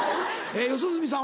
四十住さん